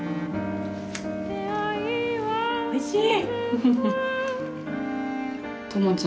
おいしい！